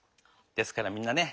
ですからみんなね